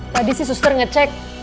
tadi si suster ngecek